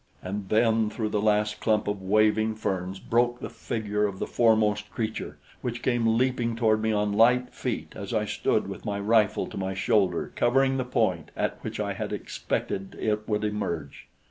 And then through the last clump of waving ferns broke the figure of the foremost creature, which came leaping toward me on light feet as I stood with my rifle to my shoulder covering the point at which I had expected it would emerge.